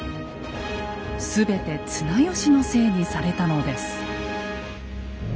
全て綱吉のせいにされたのです。